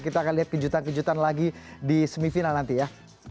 kita akan lihat kejutan kejutan lagi di semifinal nanti ya